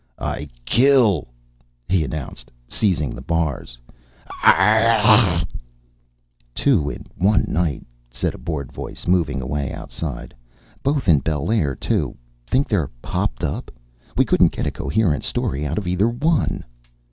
"I kill!" he announced, seizing the bars. "Arrrgh!" "Two in one night," said a bored voice, moving away outside. "Both in Bel Air, too. Think they're hopped up? We couldn't get a coherent story out of either one."